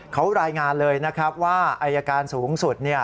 เขารายงานเลยว่าอายการสูงสุด